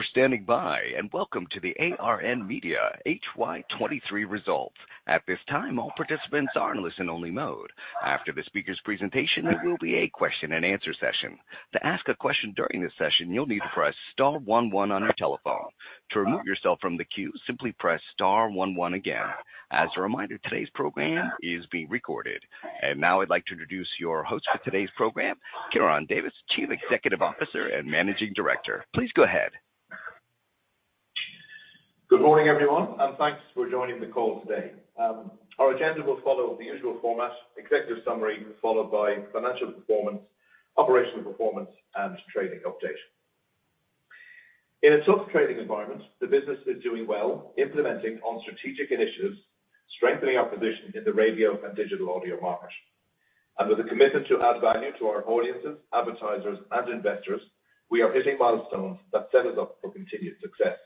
Thank you for standing by, and welcome to the ARN Media HY23 results. At this time, all participants are in listen-only mode. After the speaker's presentation, there will be a question-and-answer session. To ask a question during this session, you'll need to press star one one on your telephone. To remove yourself from the queue, simply press star one one again. As a reminder, today's program is being recorded. Now I'd like to introduce your host for today's program, Ciaran Davis, Chief Executive Officer and Managing Director. Please go ahead. Good morning, everyone, and thanks for joining the call today. Our agenda will follow the usual format, executive summary, followed by financial performance, operational performance, and trading update. In a tough trading environment, the business is doing well, implementing on strategic initiatives, strengthening our position in the radio and digital audio market. With a commitment to add value to our audiences, advertisers, and investors, we are hitting milestones that set us up for continued success.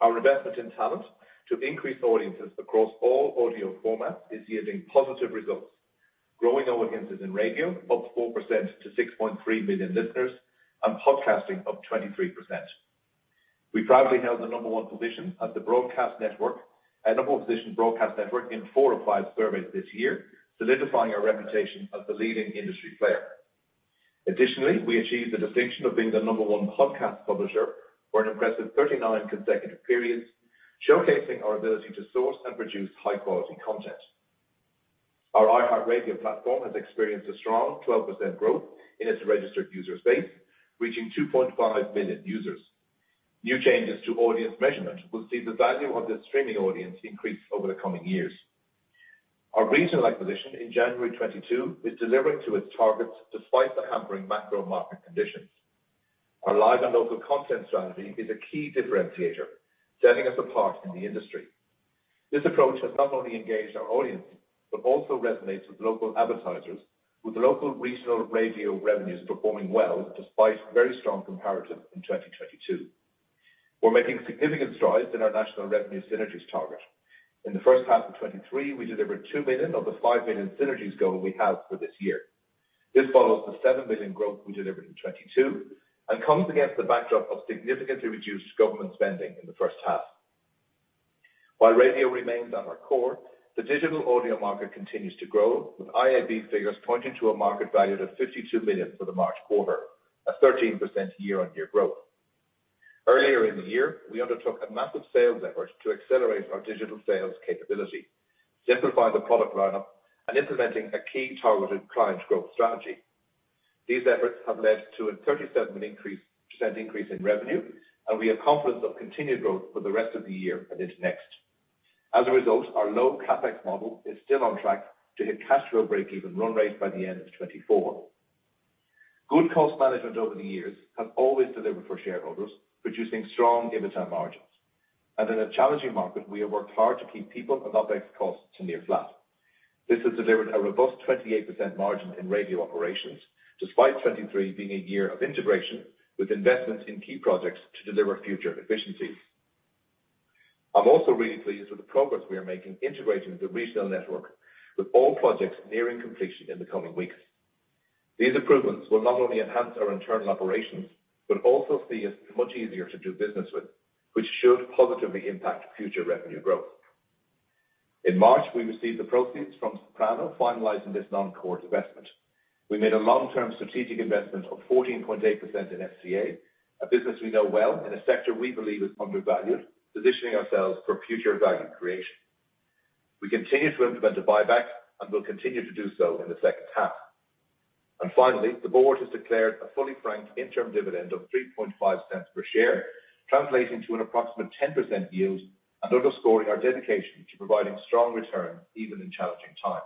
Our investment in talent to increase audiences across all audio formats is yielding positive results, growing our audiences in radio up 4% to 6.3 million listeners and podcasting up 23%. We proudly held the number one position as the broadcast network, a number one position broadcast network in four of five surveys this year, solidifying our reputation as the leading industry player. Additionally, we achieved the distinction of being the number 1 podcast publisher for an impressive 39 consecutive periods, showcasing our ability to source and produce high-quality content. Our iHeartRadio platform has experienced a strong 12% growth in its registered user base, reaching 2.5 million users. New changes to audience measurement will see the value of this streaming audience increase over the coming years. Our regional acquisition in January 2022 is delivering to its targets despite the hampering macro-market conditions. Our live and local content strategy is a key differentiator, setting us apart in the industry. This approach has not only engaged our audience, but also resonates with local advertisers, with the local regional radio revenues performing well despite very strong comparative in 2022. We're making significant strides in our national revenue synergies target. In the first half of 2023, we delivered 2 million of the 5 million synergies goal we have for this year. This follows the 7 million growth we delivered in 2022 and comes against the backdrop of significantly reduced government spending in the first half. While radio remains at our core, the digital audio market continues to grow, with IAB figures pointing to a market value of 52 million for the March quarter, a 13% year-on-year growth. Earlier in the year, we undertook a massive sales effort to accelerate our digital sales capability, simplifying the product lineup and implementing a key targeted client growth strategy. These efforts have led to a 37 increase, increase in revenue, and we have confidence of continued growth for the rest of the year and into next. As a result, our low CapEx model is still on track to hit cash flow breakeven run rate by the end of 2024. Good cost management over the years has always delivered for shareholders, producing strong EBITDA margins. In a challenging market, we have worked hard to keep people and OpEx costs to near flat. This has delivered a robust 28% margin in radio operations, despite 2023 being a year of integration, with investments in key projects to deliver future efficiencies. I'm also really pleased with the progress we are making integrating the regional network, with all projects nearing completion in the coming weeks. These improvements will not only enhance our internal operations, but also see us much easier to do business with, which should positively impact future revenue growth. In March, we received the proceeds from Soprano, finalizing this non-core investment. We made a long-term strategic investment of 14.8% in SCA, a business we know well in a sector we believe is undervalued, positioning ourselves for future value creation. We continue to implement a buyback and will continue to do so in the second half. Finally, the board has declared a fully franked interim dividend of 0.035 per share, translating to an approximate 10% yield and underscoring our dedication to providing strong returns even in challenging times.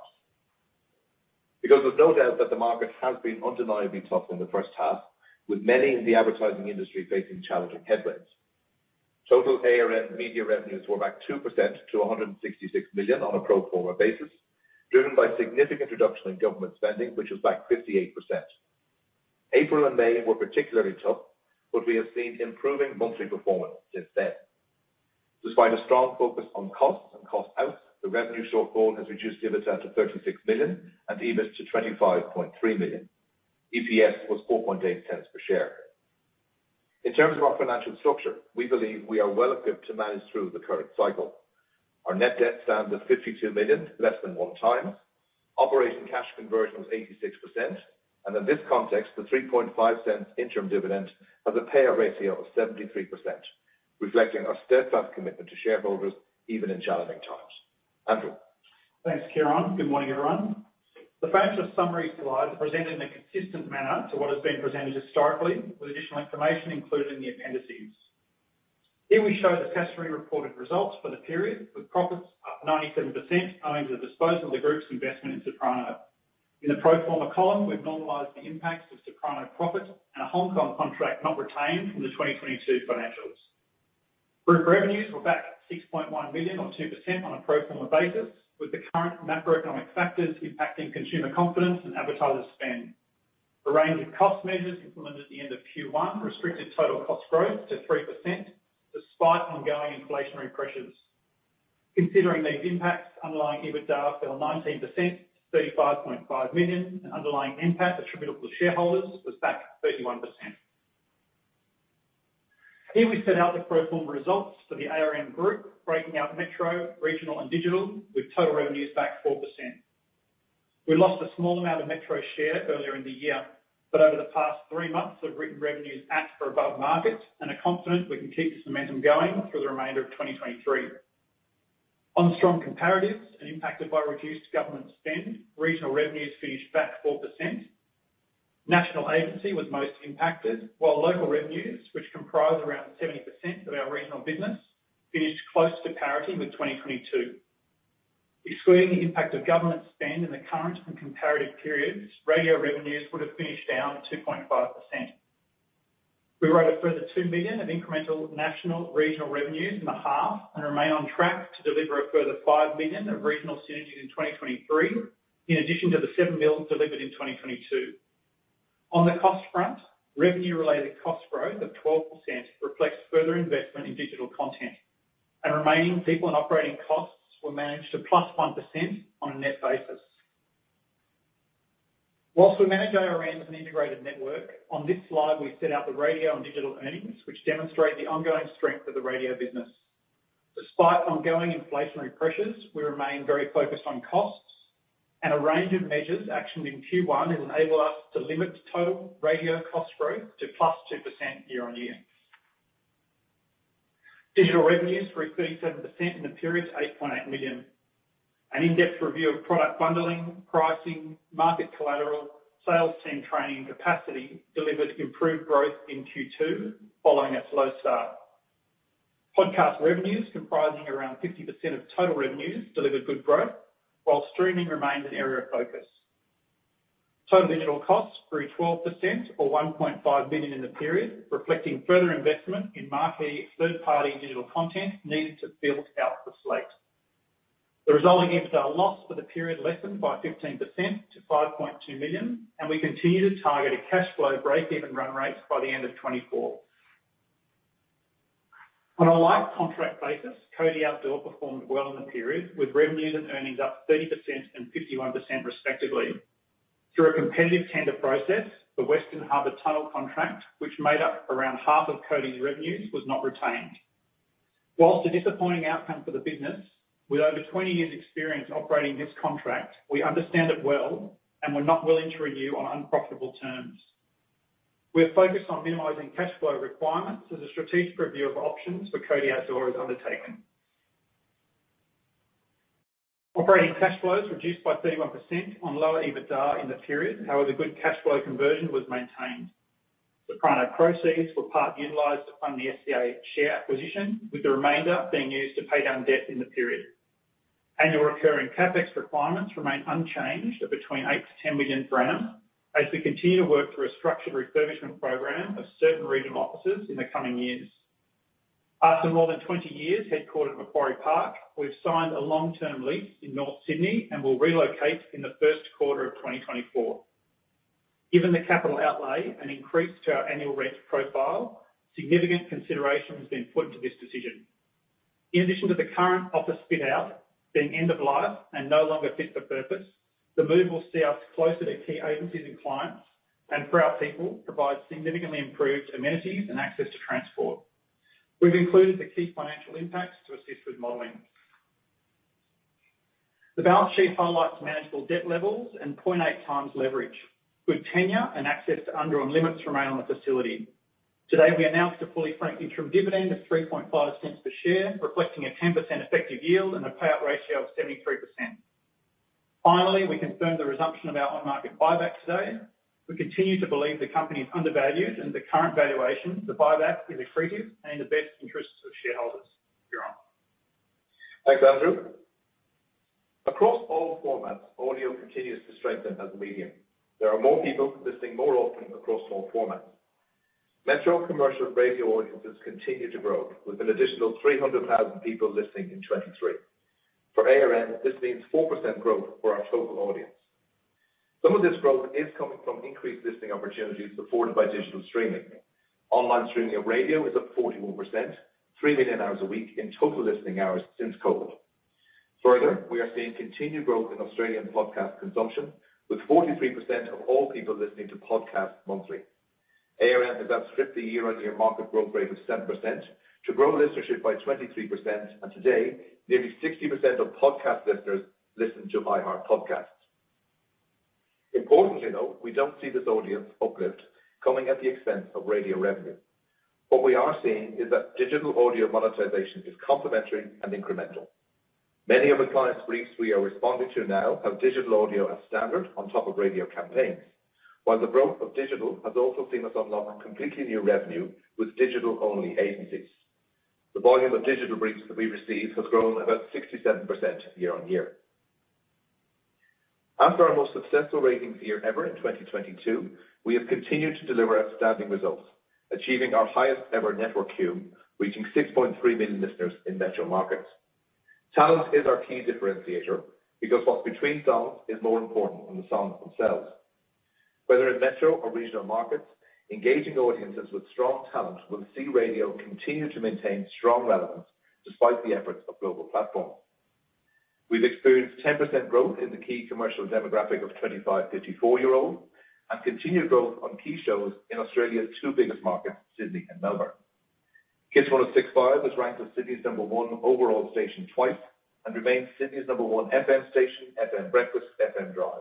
There's no doubt that the market has been undeniably tough in the first half, with many in the advertising industry facing challenging headwinds. Total ARN Media revenues were back 2% to 166 million on a pro forma basis, driven by significant reduction in government spending, which was back 58%. April and May were particularly tough. We have seen improving monthly performance since then. Despite a strong focus on costs and cost out, the revenue shortfall has reduced EBITDA to 36 million and EBIT to 25.3 million. EPS was 0.048 per share. In terms of our financial structure, we believe we are well equipped to manage through the current cycle. Our net debt stands at 52 million, less than 1x. Operating cash conversion was 86%, and in this context, the 0.035 interim dividend has a payout ratio of 73%, reflecting our steadfast commitment to shareholders even in challenging times. Andrew? Thanks, Ciaran. Good morning, everyone. The financial summary slide is presented in a consistent manner to what has been presented historically, with additional information included in the appendices. Here we show the statutory reported results for the period, with profits up 97% owing to the disposal of the group's investment in Soprano. In the pro forma column, we've normalized the impacts of Soprano profit and a Hong Kong contract not retained from the 2022 financials. Group revenues were back at 6.1 million, or 2% on a pro forma basis, with the current macroeconomic factors impacting consumer confidence and advertiser spend. A range of cost measures implemented at the end of Q1 restricted total cost growth to 3%, despite ongoing inflationary pressures. Considering these impacts, underlying EBITDA fell 19% to 35.5 million, and underlying NPAT attributable to shareholders was back 31%. Here, we set out the pro forma results for the ARN Group, breaking out metro, regional, and digital, with total revenues back 4%. We lost a small amount of metro share earlier in the year, but over the past 3 months, we've written revenues at or above market, and are confident we can keep this momentum going through the remainder of 2023. On strong comparatives and impacted by reduced government spend, regional revenues finished back 4%. National agency was most impacted, while local revenues, which comprise around 70% of our regional business, finished close to parity with 2022. Excluding the impact of government spend in the current and comparative periods, radio revenues would have finished down 2.5%. We wrote a further 2 million of incremental national regional revenues in the half and remain on track to deliver a further 5 million of regional synergies in 2023, in addition to the 7 million delivered in 2022. On the cost front, revenue-related cost growth of 12% reflects further investment in digital content, and remaining people and operating costs were managed to +1% on a net basis. Whilst we manage ARN as an integrated network, on this slide, we set out the radio and digital earnings, which demonstrate the ongoing strength of the radio business. Despite ongoing inflationary pressures, we remain very focused on costs, and a range of measures actioned in Q1 will enable us to limit total radio cost growth to +2% year-over-year. Digital revenues grew 37% in the period to 8.8 million. An in-depth review of product bundling, pricing, market collateral, sales team training, and capacity delivered improved growth in Q2, following a slow start. Podcast revenues, comprising around 50% of total revenues, delivered good growth, while streaming remains an area of focus. Total digital costs grew 12%, or 1.5 million in the period, reflecting further investment in marquee third-party digital content needed to build out the slate. The resulting EBITDA loss for the period lessened by 15% to 5.2 million. We continue to target a cash flow breakeven run rate by the end of 2024. On a like contract basis, Cody Outdoor performed well in the period, with revenues and earnings up 30% and 51% respectively. Through a competitive tender process, the Western Harbour Tunnel contract, which made up around half of Cody's revenues, was not retained. Whilst a disappointing outcome for the business, with over 20 years' experience operating this contract, we understand it well and were not willing to renew on unprofitable terms. We are focused on minimizing cash flow requirements as a strategic review of options for Cody Out of Home is undertaken. Operating cash flows reduced by 31% on lower EBITDA in the period. Good cash flow conversion was maintained. Soprano proceeds were part utilized to fund the SCA share acquisition, with the remainder being used to pay down debt in the period. Annual recurring CapEx requirements remain unchanged at between 8 million-10 million per annum, as we continue to work through a structured refurbishment program of certain regional offices in the coming years. After more than 20 years headquartered at Macquarie Park, we've signed a long-term lease in North Sydney and will relocate in the first quarter of 2024. Given the capital outlay and increase to our annual rent profile, significant consideration has been put to this decision. In addition to the current office fit-out being end of life and no longer fit for purpose, the move will see us closer to key agencies and clients, and for our people, provide significantly improved amenities and access to transport. We've included the key financial impacts to assist with modeling. The balance sheet highlights manageable debt levels and 0.8 times leverage. Good tenure and access to undrawn limits remain on the facility. Today, we announced a fully franked interim dividend of 0.035 per share, reflecting a 10% effective yield and a payout ratio of 73%. Finally, we confirm the resumption of our on-market buyback today. We continue to believe the company is undervalued, and at the current valuation, the buyback is accretive and in the best interests of shareholders. Ciaran? Thanks, Andrew. Across all formats, audio continues to strengthen as a medium. There are more people listening more often across all formats. Metro commercial radio audiences continue to grow, with an additional 300,000 people listening in 2023. For ARN, this means 4% growth for our total audience. Some of this growth is coming from increased listening opportunities afforded by digital streaming. Online streaming of radio is up 41%, 3 million hours a week in total listening hours since COVID. Further, we are seeing continued growth in Australian podcast consumption, with 43% of all people listening to podcasts monthly. ARN is outstripping the year-on-year market growth rate of 7% to grow listenership by 23%, and today, nearly 60% of podcast listeners listen to iHeart Podcasts. Importantly, though, we don't see this audience uplift coming at the expense of radio revenue. What we are seeing is that digital audio monetization is complementary and incremental. Many of the client briefs we are responding to now have digital audio as standard on top of radio campaigns, while the growth of digital has also seen us unlock completely new revenue with digital-only agencies. The volume of digital briefs that we receive has grown about 67% year-over-year. After our most successful ratings year ever in 2022, we have continued to deliver outstanding results, achieving our highest-ever network cumulative, reaching 6.3 million listeners in metro markets. Talent is our key differentiator, because what's between songs is more important than the songs themselves. Whether in metro or regional markets, engaging audiences with strong talent will see radio continue to maintain strong relevance despite the efforts of global platforms. We've experienced 10% growth in the key commercial demographic of 25 to 54-year-olds, and continued growth on key shows in Australia's two biggest markets, Sydney and Melbourne. KIIS 106.5 was ranked as Sydney's number 1 overall station twice, and remains Sydney's number 1 FM station, FM breakfast, FM drive.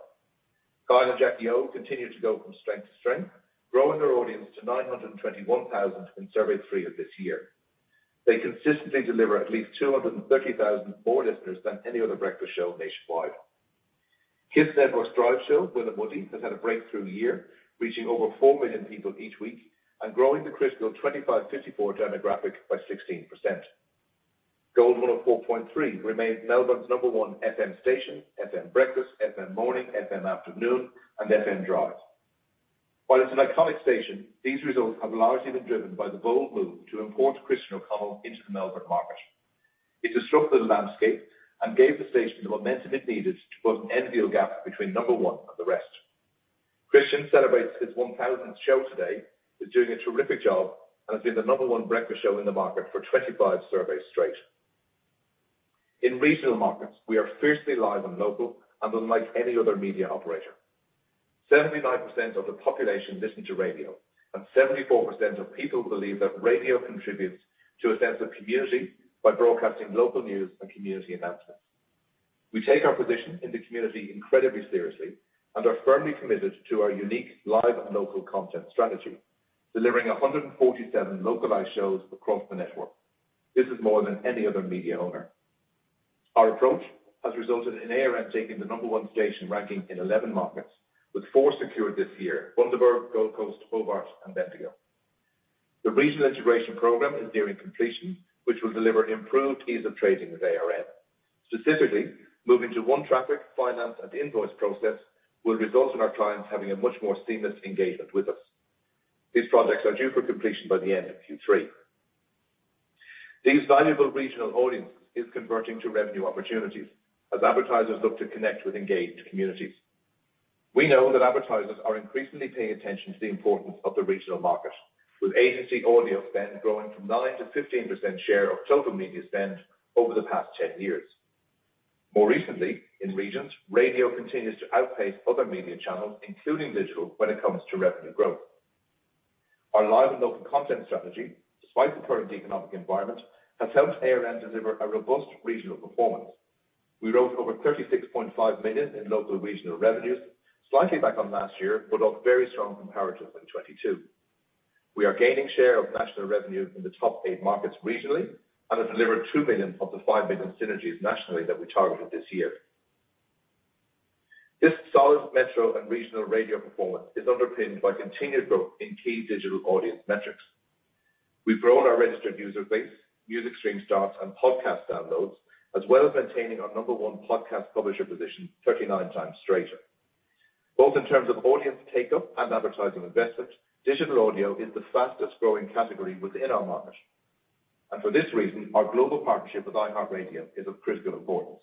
Kyle and Jackie O continue to go from strength to strength, growing their audience to 921,000 in survey 3 of this year. They consistently deliver at least 230,000 more listeners than any other breakfast show nationwide. KIIS Network Drive show with Woody has had a breakthrough year, reaching over 4 million people each week and growing the critical 25 to 54 demographic by 16%. Gold 104.3 remains Melbourne's number 1 FM station, FM breakfast, FM morning, FM afternoon, and FM drive. While it's an iconic station, these results have largely been driven by the bold move to import Christian O'Connell into the Melbourne market. It disrupted the landscape and gave the station the momentum it needed to put an enviable gap between number one and the rest. Christian celebrates his 1,000th show today, he's doing a terrific job, and it's been the number one breakfast show in the market for 25 surveys straight. In regional markets, we are fiercely live and local, and unlike any other media operator. 79% of the population listen to radio, and 74% of people believe that radio contributes to a sense of community by broadcasting local news and community announcements. We take our position in the community incredibly seriously, and are firmly committed to our unique live and local content strategy, delivering 147 localized shows across the network. This is more than any other media owner. Our approach has resulted in ARN taking the number 1 station ranking in 11 markets, with 4 secured this year, Bundaberg, Gold Coast, Hobart, and Bendigo. The regional integration program is nearing completion, which will deliver improved ease of trading with ARN. Specifically, moving to 1 traffic, finance, and invoice process will result in our clients having a much more seamless engagement with us. These projects are due for completion by the end of Q3. These valuable regional audience is converting to revenue opportunities as advertisers look to connect with engaged communities. We know that advertisers are increasingly paying attention to the importance of the regional market, with agency audio spend growing from 9%-15% share of total media spend over the past 10 years. More recently, in regions, radio continues to outpace other media channels, including digital, when it comes to revenue growth. Our live and local content strategy, despite the current economic environment, has helped ARN deliver a robust regional performance. We wrote over 36.5 million in local regional revenues, slightly back on last year, but off very strong comparatives in 2022. We are gaining share of national revenue in the top 8 markets regionally, and have delivered 2 million of the 5 million synergies nationally that we targeted this year. This solid metro and regional radio performance is underpinned by continued growth in key digital audience metrics. We've grown our registered user base, music stream starts, and podcast downloads, as well as maintaining our number 1 podcast publisher position 39 times straight. Both in terms of audience take-up and advertising investment, digital audio is the fastest growing category within our market. For this reason, our global partnership with iHeartRadio is of critical importance.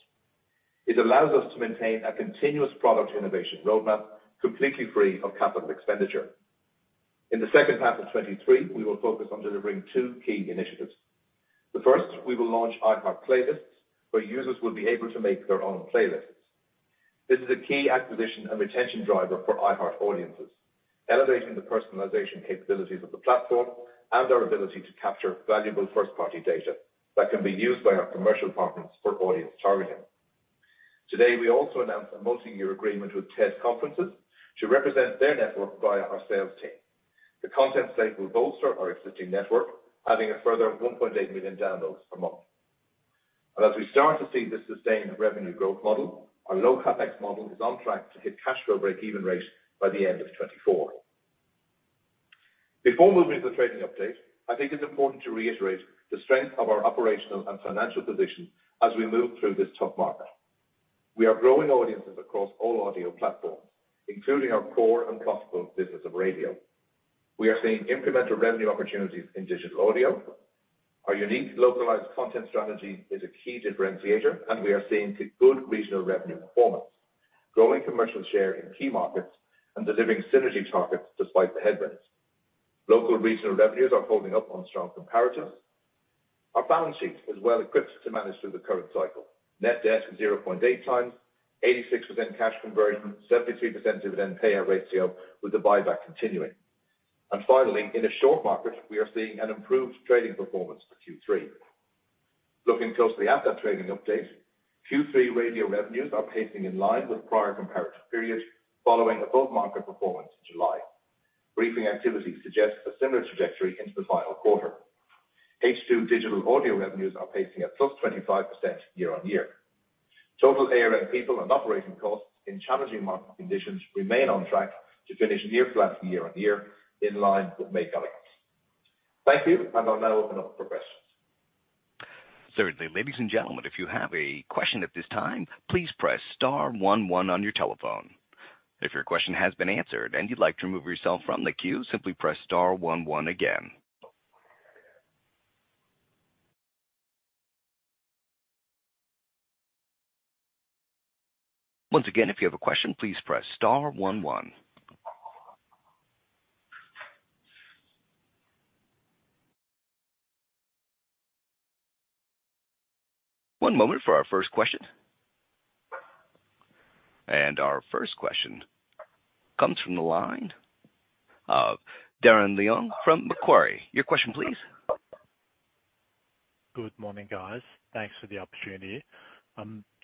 It allows us to maintain a continuous product innovation roadmap, completely free of capital expenditure. In the second half of 2023, we will focus on delivering two key initiatives. The first, we will launch iHeartRadio Playlists, where users will be able to make their own playlists. This is a key acquisition and retention driver for iHeart audiences, elevating the personalization capabilities of the platform and our ability to capture valuable first-party data that can be used by our commercial partners for audience targeting. Today, we also announced a multi-year agreement with TED Conferences to represent their network via our sales team. The content site will bolster our existing network, adding a further 1.8 million downloads per month. As we start to see this sustained revenue growth model, our low CapEx model is on track to hit cash flow break-even rate by the end of 2024. Before moving to the trading update, I think it's important to reiterate the strength of our operational and financial position as we move through this tough market. We are growing audiences across all audio platforms, including our core and profitable business of radio. We are seeing incremental revenue opportunities in digital audio. Our unique localized content strategy is a key differentiator, and we are seeing good regional revenue performance, growing commercial share in key markets, and delivering synergy targets despite the headwinds. Local regional revenues are holding up on strong comparatives. Our balance sheet is well equipped to manage through the current cycle. Net debt is 0.8x, 86% cash conversion, 73% dividend payout ratio, with the buyback continuing. Finally, in a short market, we are seeing an improved trading performance for Q3. Looking closely at that trading update, Q3 radio revenues are pacing in line with prior comparative periods, following above-market performance in July. Briefing activity suggests a similar trajectory into the final quarter. H2 digital audio revenues are pacing at +25% year-on-year. Total ARN people and operating costs in challenging market conditions remain on track to finish near flat year-on-year, in line with May guidance. Thank you, and I'll now open up for questions. Certainly. Ladies and gentlemen, if you have a question at this time, please press star one one on your telephone. If your question has been answered and you'd like to remove yourself from the queue, simply press star one one again. Once again, if you have a question, please press star one one. One moment for our first question. Our first question comes from the line of Darren Leung from Macquarie. Your question, please? Good morning, guys. Thanks for the opportunity.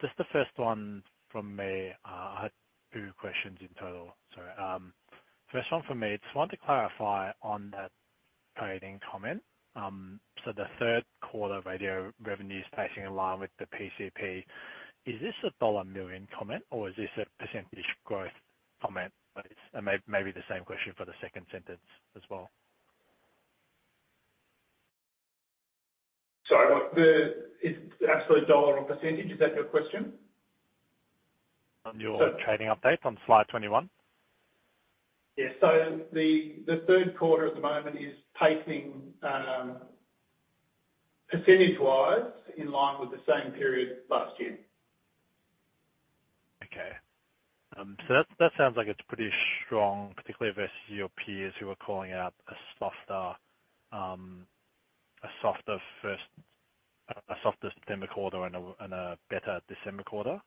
Just the first one from me. I had two questions in total, so, first one from me, just want to clarify on that trading comment. The third quarter radio revenue is pacing in line with the PCP. Is this a dollar million comment or is this a percentage growth comment? Maybe the same question for the second sentence as well. Sorry, what? The, it's absolute dollar or percentage, is that your question? On your trading update on slide 21. Yeah. The, the third quarter at the moment is pacing percentage-wise, in line with the same period last year. Okay. That, that sounds like it's pretty strong, particularly versus your peers who are calling out a softer, a softer September quarter and a, and a better December quarter.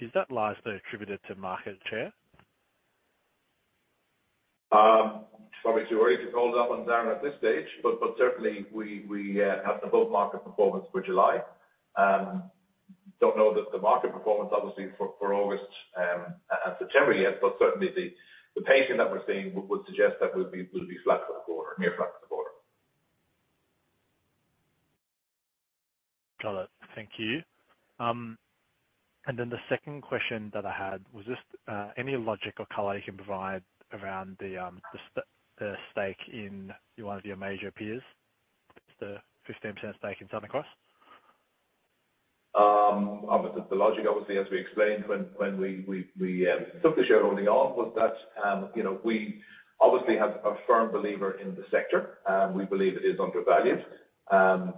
Is that largely attributed to market share? It's probably too early to call that one, Darren, at this stage, but certainly we, we have the whole market performance for July. Don't know that the market performance obviously for, for August and September yet, but certainly the pacing that we're seeing would suggest that we'll be flat for the quarter, near flat for the quarter. Got it. Thank you. Then the second question that I had, was just, any logic or color you can provide around the, the stake in one of your major peers, the 15% stake in Southern Cross? Obviously, the logic, obviously, as we explained when, when we, we, we, took the shareholding on, was that, you know, we obviously have a firm believer in the sector, and we believe it is undervalued.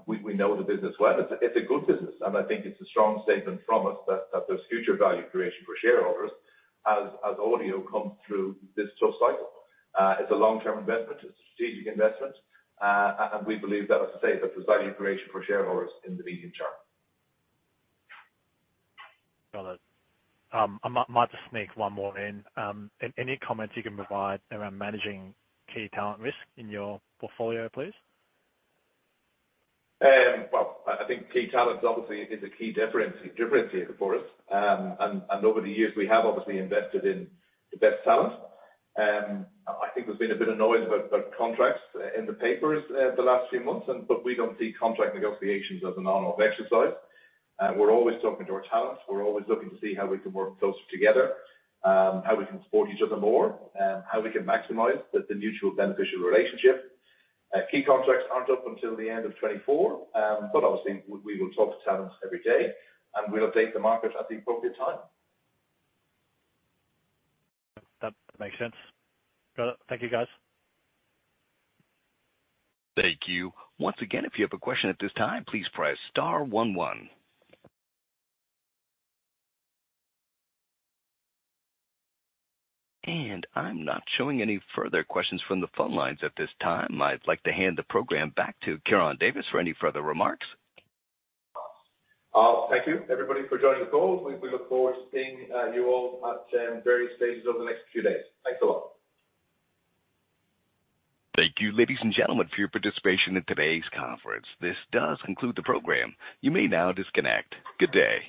We, we know the business well. It's, it's a good business, and I think it's a strong statement from us that, that there's future value creation for shareholders as, as Audio comes through this tough cycle. It's a long-term investment. It's a strategic investment, and we believe that, as I say, that there's value creation for shareholders in the medium term. Got it. I might, might just sneak one more in. Any, any comments you can provide around managing key talent risk in your portfolio, please? Well, I, I think key talent obviously is a key differency- differentiator for us. And over the years, we have obviously invested in the best talent. I think there's been a bit of noise about, about contracts i- in the papers, the last few months, and we don't see contract negotiations as an on-off exercise. We're always talking to our talents. We're always looking to see how we can work closer together, how we can support each other more, how we can maximize the, the mutual beneficial relationship. Key contracts aren't up until the end of 2024. Obviously, we, we will talk to talents every day, and we'll update the market at the appropriate time. That makes sense. Got it. Thank you, guys. Thank you. Once again, if you have a question at this time, please press star one one. I'm not showing any further questions from the phone lines at this time. I'd like to hand the program back to Ciaran Davis for any further remarks. Thank you, everybody, for joining the call. We look forward to seeing you all at various stages over the next few days. Thanks a lot. Thank you, ladies and gentlemen, for your participation in today's conference. This does conclude the program. You may now disconnect. Good day.